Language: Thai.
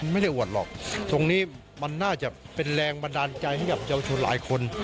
ไม่ได้อวดหรอกตรงนี้มันน่าจะเป็นแรงบันดาลใจให้กับเยาวชนหลายคน